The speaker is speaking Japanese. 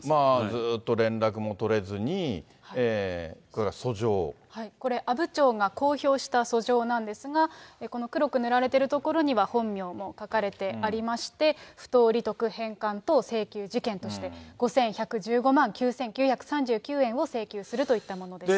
ずっと連絡も取れずに、これこれ、阿武町が公表した訴状なんですが、黒く塗られているところには、本名も書かれていまして、不当利得返還等請求事件として、５１１５万９９３９円を請求するといったものです。